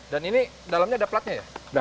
dan ini dalamnya ada platnya ya